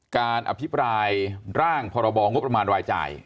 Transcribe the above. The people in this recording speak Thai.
การอภิปรายร่างพรบงบประมาณรายจ่าย